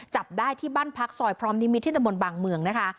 จับได้ที่บ้านพักซอยพร้อมนิมิตที่ตะมนต์บางเมืองนะคะ